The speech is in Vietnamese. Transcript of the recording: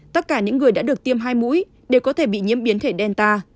tất cả những người đã được tiêm hai mũi đều có thể bị nhiễm biến thể delta